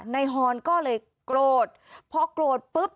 ฮอนก็เลยโกรธพอโกรธปุ๊บ